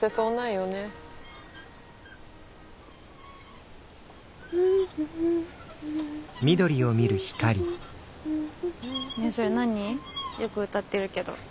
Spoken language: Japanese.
よく歌ってるけど。